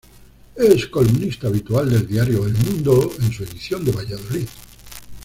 Es columnista habitual del diario "El Mundo" en su edición de Valladolid.